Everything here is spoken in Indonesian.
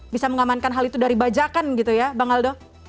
bisa mengamankan hal itu dari bajakan gitu ya bang aldo